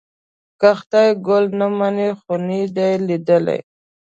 که خدای ګل نه مني خو نه یې دی لیدلی.